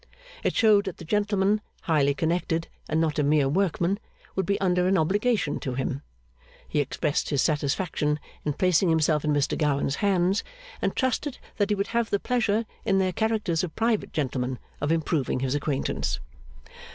It showed that the gentleman, highly connected, and not a mere workman, would be under an obligation to him. He expressed his satisfaction in placing himself in Mr Gowan's hands, and trusted that he would have the pleasure, in their characters of private gentlemen, of improving his acquaintance.